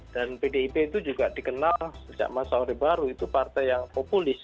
dan bdip itu juga dikenal sejak masa awal baru itu partai yang populis